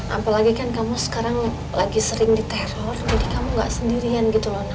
apalagi kan kamu sekarang lagi sering diteror jadi kamu gak sendirian gitu loh